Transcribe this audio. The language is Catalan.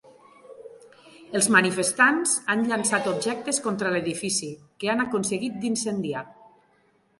Els manifestants han llençat objectes contra l’edifici, que han aconseguit d’incendiar.